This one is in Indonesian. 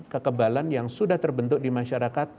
kekebalan yang sudah terbentuk di masyarakat